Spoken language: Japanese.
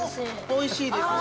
おいしいんですよ！